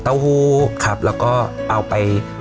เต้าหู้จะมีกลิ่นผะโล